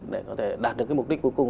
để có thể đạt được mục đích cuối cùng